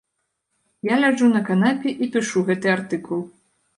Я ляжу на канапе і пішу гэты артыкул.